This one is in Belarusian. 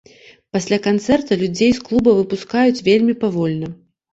Пасля канцэрта людзей з клуба выпускаюць вельмі павольна.